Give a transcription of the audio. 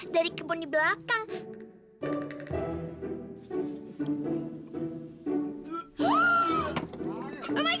dari kebun di belakang